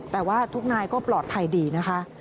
แต่ว่าทุกนายก็ปลอดภัยดีนะคะ